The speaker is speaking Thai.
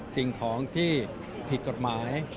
สิ่งของที่ผิดกฎหมาย